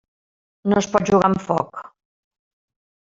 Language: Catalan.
No es pot jugar amb foc.